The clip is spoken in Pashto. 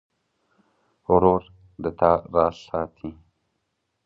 ورور د تا راز ساتي.